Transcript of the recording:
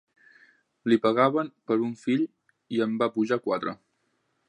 Li pagaven per un fill i en va pujar quatre.